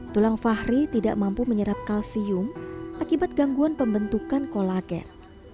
tulang fahri tidak mampu menyerap kalsium akibat gangguan pembentukan kolagen